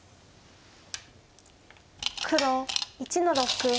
黒１の六。